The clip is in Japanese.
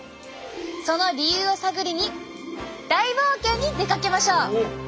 その理由を探りに大冒険に出かけましょう！